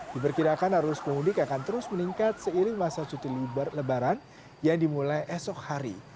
diperkirakan arus pemudik akan terus meningkat seiring masa cuti lebaran yang dimulai esok hari